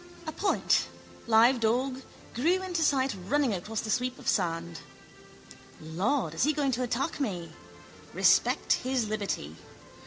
A point, live dog, grew into sight running across the sweep of sand. Lord, is he going to attack me? Respect his liberty.